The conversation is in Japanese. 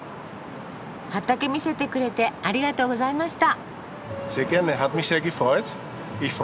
畑見せてくれてありがとうございました。